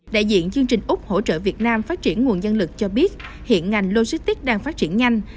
đại diện chương trình úc hỗ trợ việt nam phát triển nguồn nhân lực cho biết hiện ngành logistics đang phát triển nhanh